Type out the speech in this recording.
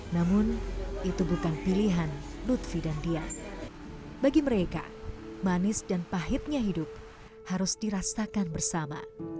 namun itu bukan pilihan lutfi dan dia bagi mereka manis dan pahitnya hidup harus dirasakan bersama